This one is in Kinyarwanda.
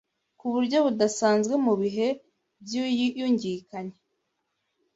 ku buryo budasanzwe mu bihe byiyungikanya